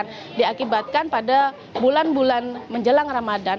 ini akan diakibatkan pada bulan bulan menjelang ramadhan